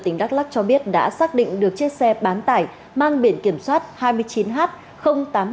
tỉnh đắk lắc cho biết đã xác định được chiếc xe bán tải mang biển kiểm soát hai mươi chín h tám nghìn một trăm một mươi sáu